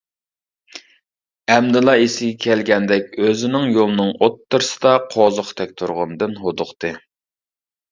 ئەمدىلا ئېسىگە كەلگەندەك ئۆزىنىڭ يولنىڭ ئوتتۇرىسىدا قوزۇقتەك تۇرغىنىدىن ھودۇقتى.